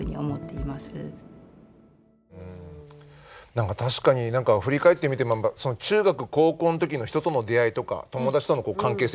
何か確かに振り返ってみても中学高校の時の人との出会いとか友達との関係性ってね